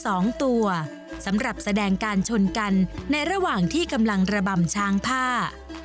สองตัวสำหรับแสดงการชนกันในระหว่างที่กำลังระบำช้างผ้า